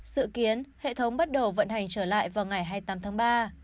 sự kiến hệ thống bắt đầu vận hành trở lại vào ngày hai mươi tám tháng ba